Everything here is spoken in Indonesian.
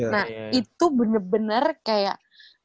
nah itu bener bener kayak